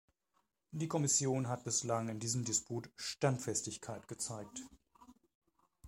Die Kommission hat bislang in diesem Disput Standfestigkeit gezeigt.